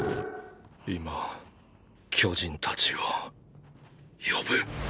今巨人たちを呼ぶ！！